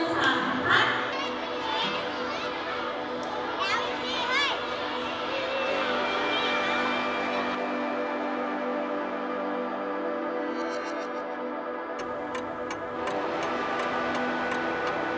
ที่ไม่ใช่